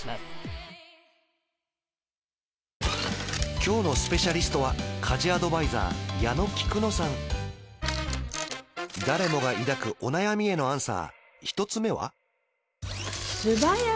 今日のスペシャリストは誰もが抱くお悩みへのアンサー一つ目は？